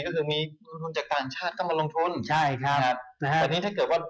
ก็คือมีลงทุนจากต่างชาติเข้ามาลงทุนใช่ครับนะฮะแต่นี่ถ้าเกิดว่า